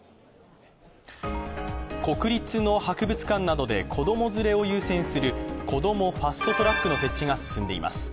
国立の博物館などで、子供連れを優先するこどもファスト・トラックの設置が進んでいます。